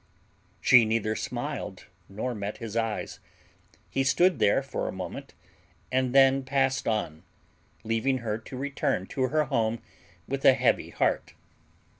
She neither smiled nor met his eyes. He stood there for a moment and then passed on, leaving her to return to her home with a heavy heart.